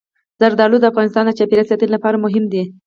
زردالو د افغانستان د چاپیریال ساتنې لپاره مهم دي.